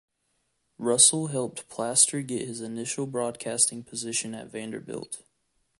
Russell helped Plaster get his initial broadcasting position at Vanderbilt.